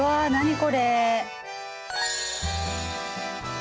これ。